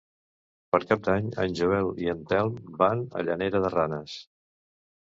Per Cap d'Any en Joel i en Telm van a Llanera de Ranes.